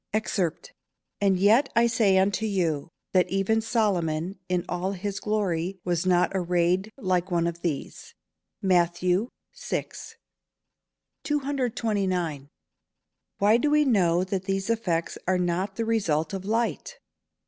[Verse: "And yet I say unto you, that even Solomon, in all his glory, was not arrayed like one of these." MATT. VI.] 229. _Why do we know that these effects are not the result of light?